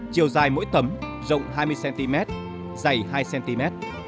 chiều dài mỗi tấm rộng hai mươi cm dày hai cm